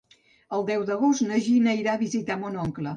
El deu d'agost na Gina irà a visitar mon oncle.